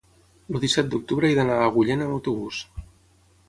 El disset d'octubre he d'anar a Agullent amb autobús.